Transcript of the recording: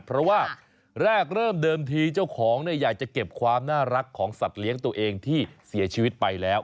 เพราะว่าแรกเริ่มเดิมทีเจ้าของอยากจะเก็บความน่ารักของสัตว์เลี้ยงตัวเองที่เสียชีวิตไปแล้ว